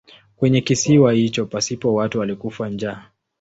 Kwenye kisiwa hicho pasipo watu alikufa njaa.